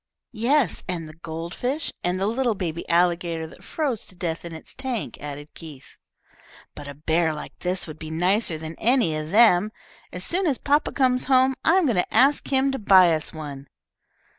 "Yes, and the gold fish, and the little baby alligator that froze to death in its tank," added Keith. "But a bear like this would be nicer than any of them. As soon as papa comes home I am going to ask him to buy us one."